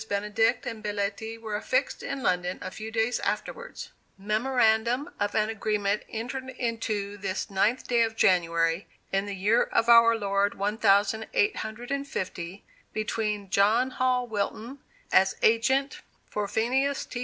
Benedict and Belletti were affixed in London a few days afterwards: MEMORANDUM of an agreement entered into this ninth day of January, in the year of our Lord one thousand eight hundred and fifty, between John Hall Wilton, as agent for PHINEAS T.